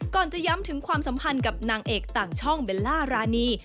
จะย้ำถึงความสัมพันธ์กับนางเอกต่างช่องเบลล่ารานี